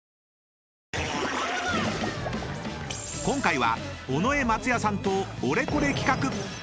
［今回は尾上松也さんとオレコレ企画！］